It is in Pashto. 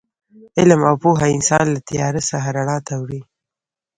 علم او پوهه انسان له تیاره څخه رڼا ته وړي.